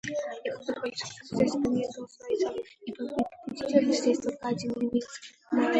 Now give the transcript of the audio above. Никакой конкуренции здесь быть не должно, ибо победитель здесь только один — ливийский народ.